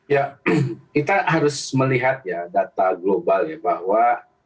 ya kita harus melihat ya data globalnya bahwa